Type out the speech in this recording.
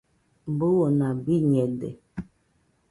buna biñede